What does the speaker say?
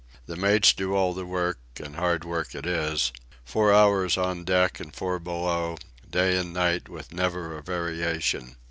The mates do all the work, and hard work it is, four hours on deck and four below, day and night with never a variation.